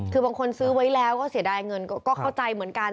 คือบางคนซื้อไว้แล้วก็เสียดายเงินก็เข้าใจเหมือนกัน